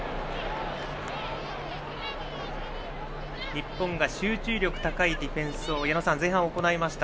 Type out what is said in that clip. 日本が集中力高いディフェンスを矢野さん、前半は行いました。